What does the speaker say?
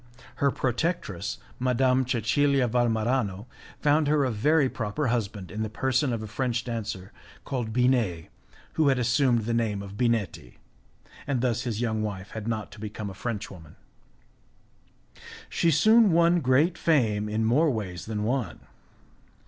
Her protectress, Madame Cecilia Valmarano, found her a very proper husband in the person of a French dancer, called Binet, who had assumed the name of Binetti, and thus his young wife had not to become a French woman; she soon won great fame in more ways than one.